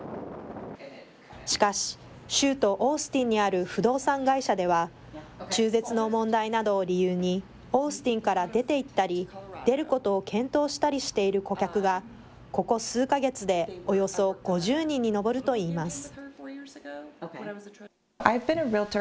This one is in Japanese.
しかし、州都オースティンにある不動産会社では、中絶の問題などを理由に、オースティンから出ていったり、出ることを検討したりしている顧客が、ここ数か月でおよそ５０人に上るといいます。